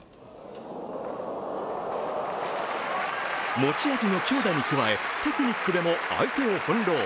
持ち味の強打に加え、テクニックでも相手を翻弄。